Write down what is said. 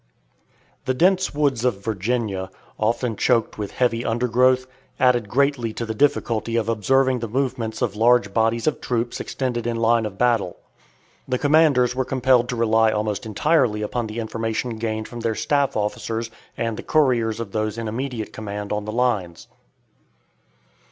The dense woods of Virginia, often choked with heavy undergrowth, added greatly to the difficulty of observing the movements of large bodies of troops extended in line of battle. The commanders were compelled to rely almost entirely upon the information gained from their staff officers and the couriers of those in immediate command on the lines.